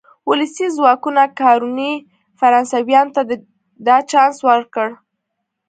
ولسي ځواکونو کارونې فرانسویانو ته دا چانس ورکړ.